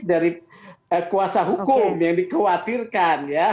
dari kuasa hukum yang dikhawatirkan ya